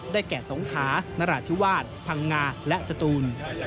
แก่สงขานราธิวาสพังงาและสตูน